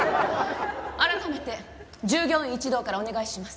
改めて従業員一同からお願いします。